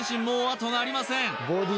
もうあとがありません